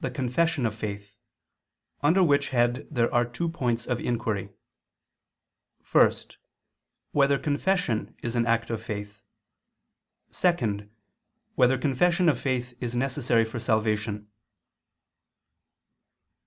the confession of faith: under which head there are two points of inquiry: (1) Whether confession is an act of faith? (2) Whether confession of faith is necessary for salvation?